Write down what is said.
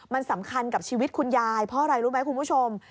มันสำคัญกับชีวิตคุณยายเพราะอะไรรู้ไหมคุณผู้ชม